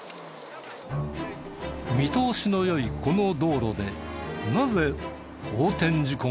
見通しの良いこの道路でなぜ横転事故が起きたのか？